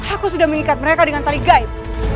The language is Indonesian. aku sudah mengikat mereka dengan tali guide